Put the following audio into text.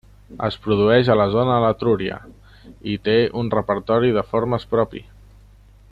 Es produeix a la zona de l'Etrúria i té un repertori de formes propi.